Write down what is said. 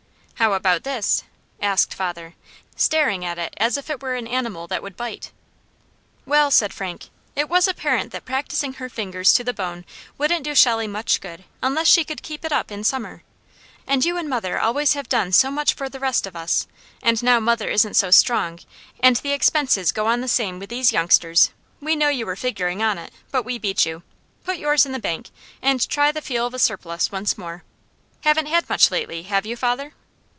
"How about this?" asked father, staring at it as if it were an animal that would bite. "Well," said Frank, "it was apparent that practising her fingers to the bone wouldn't do Shelley much good unless she could keep it up in summer, and you and mother always have done so much for the rest of us, and now mother isn't so strong and the expenses go on the same with these youngsters; we know you were figuring on it, but we beat you. Put yours in the bank, and try the feel of a surplus once more. Haven't had much lately, have you, father?"